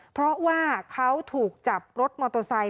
เพราะว่าเขาถูกจับรถมอเตอร์ไซค